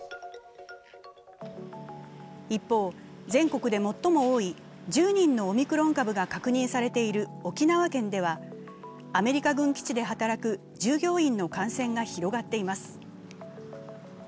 一方、全国で最も多い１０人のオミクロン株が確認されている沖縄県では、アメリカ軍基地で働く従業員の感染が広がっています。